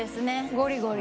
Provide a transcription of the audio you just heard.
ゴリゴリ